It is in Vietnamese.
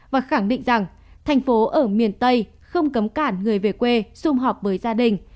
và khẳng định rằng thành phố ở miền tây không cấm cản người về quê xung họp với gia đình